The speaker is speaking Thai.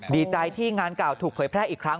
ดีใจที่งานเก่าถูกเผยแพร่อีกครั้ง